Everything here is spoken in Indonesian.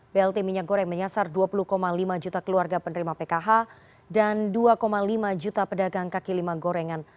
blt minyak goreng menyasar dua puluh lima juta keluarga penerima pkh dan dua lima juta pedagang kaki lima gorengan